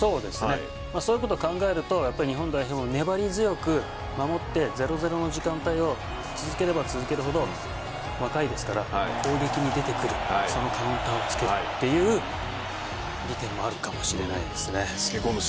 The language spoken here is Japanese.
そういうことを考えると日本代表、粘り強く守って０対０の時間帯を続ければ続けるほど若いですから攻撃に出てくるそのカウンターを突けるという利点もあるかもしれないですね。